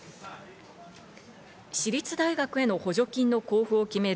私立大学への補助金の交付を決める